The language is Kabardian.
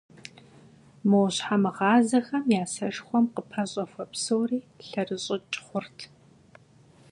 Мо щхьэмыгъазэхэм я сэшхуэм къыпэщӀэхуэ псори лъэрыщӀыкӀ хъурт.